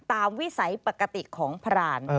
วิสัยปกติของพราน